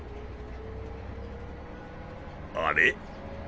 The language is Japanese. あれ？